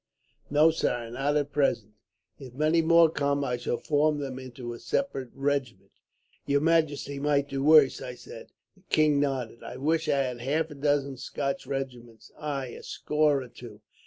"'No, sire; not at present.' "'If many more come, I shall form them into a separate regiment.' "'Your majesty might do worse,' I said. "The king nodded. 'I wish I had half a dozen Scotch regiments; aye, a score or two.